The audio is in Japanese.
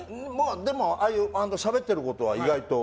でもしゃべってることは意外と。